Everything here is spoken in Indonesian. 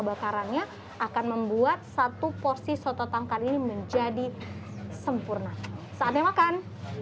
bakarannya akan membuat satu porsi soto tangkar ini menjadi sempurna saatnya makan